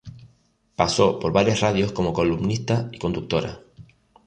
Pasó por varias radios, como columnista y conductora.